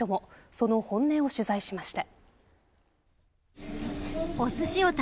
その本音を取材しました。